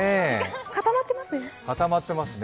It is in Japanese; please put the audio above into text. かたまってますね。